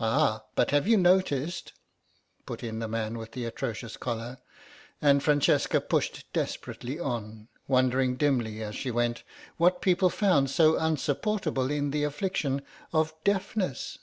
"Ah, but have you noticed—" put in the man with the atrocious collar, and Francesca pushed desperately on, wondering dimly as she went, what people found so unsupportable in the affliction of deafness.